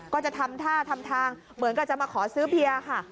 ก็จะทำท่าทำทางเหมือนกับจะมาขอซื้อเพียร์ค่ะ